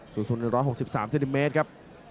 สูง๑๖๓เซนติเมตรครับ